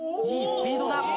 いいスピードだ。